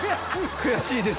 悔しいです。